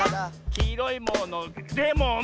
「きいろいものレモン！」